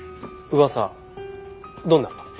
どんな？